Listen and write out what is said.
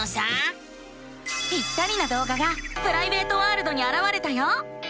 ぴったりなどうががプライベートワールドにあらわれたよ。